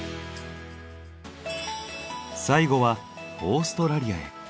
最後はオーストラリアへ。